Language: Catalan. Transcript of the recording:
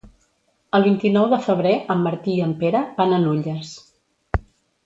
El vint-i-nou de febrer en Martí i en Pere van a Nulles.